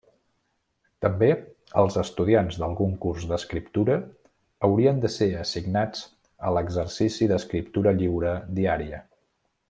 També, els estudiants d'algun curs d'escriptura haurien de ser assignats a l'exercici d'escriptura lliure diària.